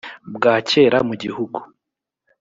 bwa kera mu gihugu